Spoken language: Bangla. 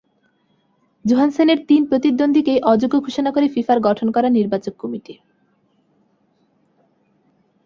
জোহানসেনের তিন প্রতিদ্বন্দ্বীকেই অযোগ্য ঘোষণা করে ফিফার গঠন করা নির্বাচক কমিটি।